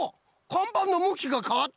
かんばんのむきがかわってる！